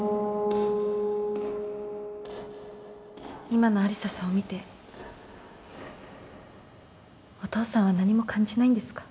今の有沙さんを見てお父さんは何も感じないんですか？